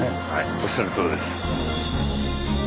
おっしゃるとおりです。